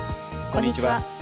こんにちは。